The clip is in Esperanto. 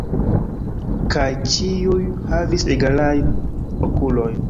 Kaj ĉiuj havis egalajn okulojn.